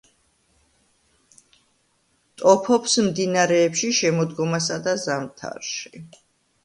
ტოფობს მდინარეებში, შემოდგომასა და ზამთარში.